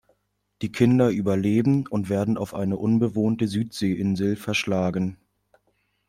Die Kinder überleben und werden auf eine unbewohnte Südseeinsel verschlagen.